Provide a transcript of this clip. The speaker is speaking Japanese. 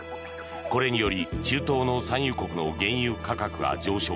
これにより中東の産油国の原油価格が高騰。